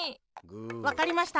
わかりました！